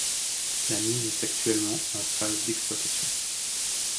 La mine est actuellement en phase d'exploitation.